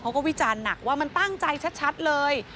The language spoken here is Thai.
วิจารณ์หนักว่ามันตั้งใจชัดเลย